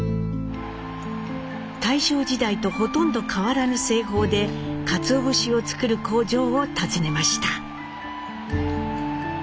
大正時代とほとんど変わらぬ製法でかつお節を作る工場を訪ねました。